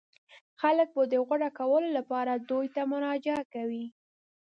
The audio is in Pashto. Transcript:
خلک به د غوره کولو لپاره دوی ته مراجعه کوي.